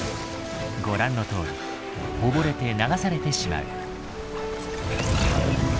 ご覧のとおり溺れて流されてしまう。